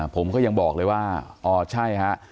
ผมก็ยังบอกเลยว่าอ๋อใช่ฮะ